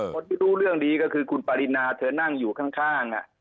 คนที่รู้เรื่องดีก็คือคุณปรินาเธอนั่งอยู่ข้าง